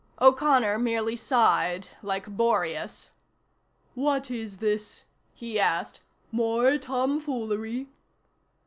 O'Connor merely sighed, like Boreas. "What is this," he asked, "more tomfoolery?"